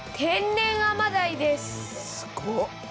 すごっ！